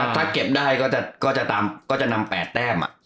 ถ้าเก็บได้ก็จะนำ๘แต้ม